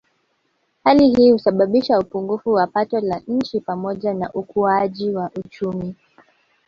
Hali hii husababisha upungufu wa pato la nchi pamoja na wa ukuaji wa uchumi